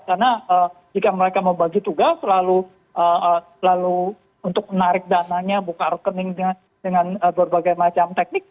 karena jika mereka mau bagi tugas lalu untuk menarik dananya buka rekening dengan berbagai macam teknik